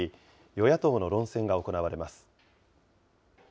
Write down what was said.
与野党の論戦が行われます。